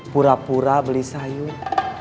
pura pura beli sayur